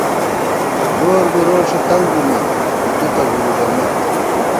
گور بی روݭےتنگ بِمېت ہُجُتہ ݫُو گُودَمېت